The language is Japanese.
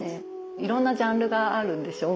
いろんなジャンルがあるんでしょう？